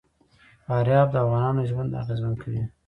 فاریاب د افغانانو ژوند اغېزمن کوي.